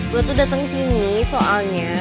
gue tuh dateng sini soalnya